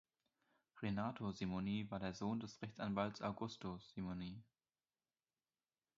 Renato Simoni war der Sohn des Rechtsanwalts Augusto Simoni.